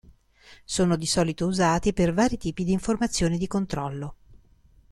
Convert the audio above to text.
Sono di solito usati per vari tipi di informazioni di controllo.